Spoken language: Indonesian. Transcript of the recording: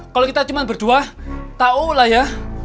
kalau kita cuma berdua tahu lah ya